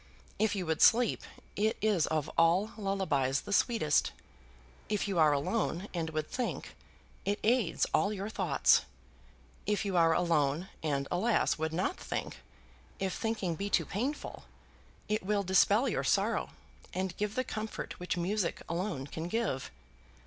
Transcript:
If you would sleep, it is of all lullabies the sweetest. If you are alone and would think, it aids all your thoughts. If you are alone, and, alas! would not think, if thinking be too painful, it will dispel your sorrow, and give the comfort which music alone can give.